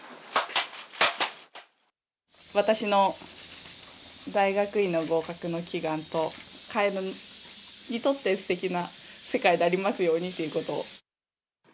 私の大学院の合格の祈願と、カエルにとってすてきな世界でありますようにということを。